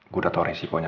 gue udah tahu risikonya